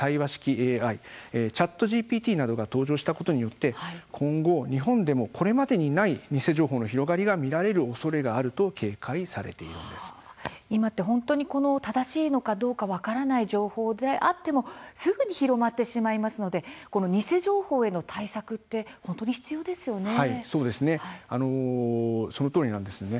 ＡＩ、ＣｈａｔＧＰＴなどが登場したことによって今後日本でもこれまでにない偽情報の広がりが見られるおそれがあると今って本当に正しいのかどうか分からない情報であってもすぐに広まってしまいますので偽情報への対策ってそのとおりなんですね。